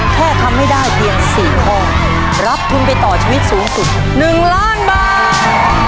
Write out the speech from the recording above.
แค่ทำให้ได้เพียง๔ข้อรับทุนไปต่อชีวิตสูงสุด๑ล้านบาท